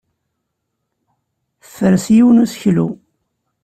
Tefres yiwen n useklu.